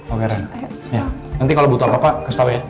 oke ya nanti kalau butuh apa apa kasih tau ya